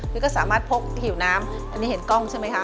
คือก็สามารถพกหิวน้ำอันนี้เห็นกล้องใช่ไหมคะ